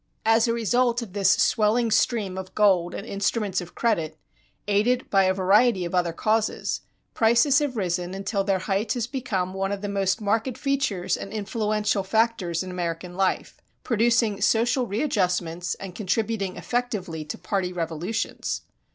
As a result of this swelling stream of gold and instruments of credit, aided by a variety of other causes, prices have risen until their height has become one of the most marked features and influential factors in American life, producing social readjustments and contributing effectively to party revolutions.